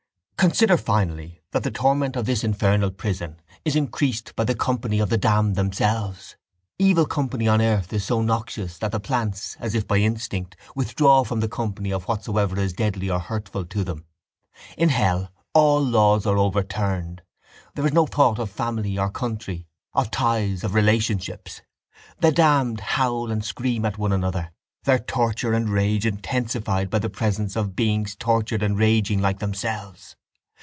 —Consider finally that the torment of this infernal prison is increased by the company of the damned themselves. Evil company on earth is so noxious that the plants, as if by instinct, withdraw from the company of whatsoever is deadly or hurtful to them. In hell all laws are overturned—there is no thought of family or country, of ties, of relationships. The damned howl and scream at one another, their torture and rage intensified by the presence of beings tortured and raging like themselves.